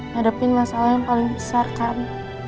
ngadepin masalah yang paling besar kan